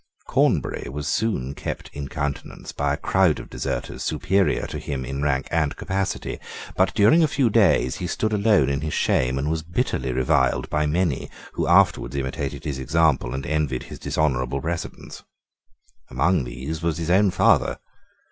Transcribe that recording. Cornbury was soon kept in countenance by a crowd of deserters superior to him in rank and capacity: but during a few days he stood alone in his shame, and was bitterly reviled by many who afterwards imitated his example and envied his dishonourable precedence. Among these was his own father.